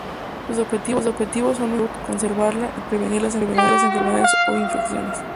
Sus objetivos son mejorar la salud, conservarla y prevenir las enfermedades o infecciones.